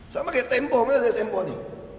sama kayak tempoh mana tempo ini